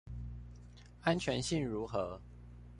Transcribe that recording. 安全性如何